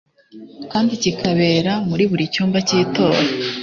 kandi kikabera muri buri cyumba cy itora